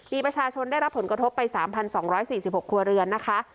มีประชาชนได้รับผลกระทบไปสามพันสองร้อยสี่สิบหกครัวเรือนนะคะ